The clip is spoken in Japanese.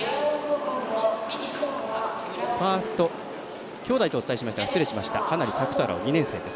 ファースト兄弟とお伝えしました失礼しました羽成朔太郎２年生です。